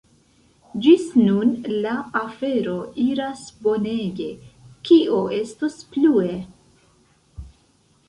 Ĝis nun la afero iras bonege, kio estos plue?